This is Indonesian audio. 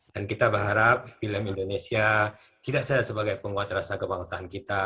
dan kita berharap film indonesia tidak saja sebagai penguat rasa kebangsaan kita